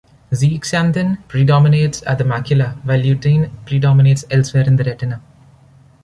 Zeaxanthin predominates at the macula, while lutein predominates elsewhere in the retina.